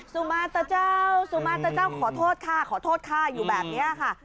สุมาตะเจ้าสุมาตะเจ้าขอโทษค่ะขอโทษค่ะอยู่แบบนี้ค่ะ